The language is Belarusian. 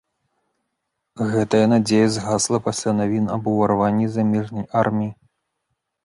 Гэтая надзея згасла пасля навін аб уварванні замежнай арміі.